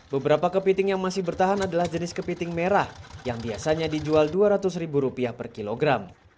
beberapa kepiting yang masih bertahan adalah jenis kepiting merah yang biasanya dijual rp dua ratus ribu rupiah per kilogram